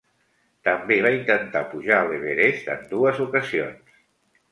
També va intentar pujar l'Everest en dues ocasions.